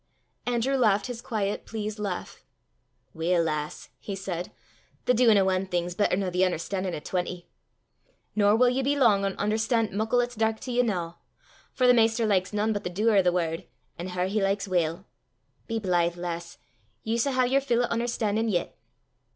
Andrew laughed his quiet pleased laugh. "Weel, lass," he said, "the duin' o' ae thing 's better nor the un'erstan'in' o' twenty. Nor wull ye be lang ohn un'erstan't muckle 'at's dark to ye noo; for the maister likes nane but the duer o' the word, an' her he likes weel. Be blythe, lass; ye s' hae yer fill o' un'erstan'in' yet!"